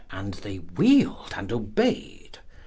and they wheel'd and obey'd.